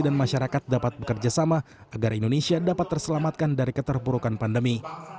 dan masyarakat dapat bekerjasama agar indonesia dapat terselamatkan dari keterburukan pandemi